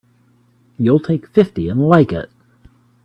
You'll take fifty and like it!